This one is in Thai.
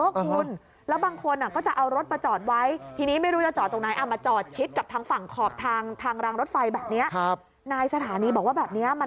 ก็มันก็จะสูญเสียครับ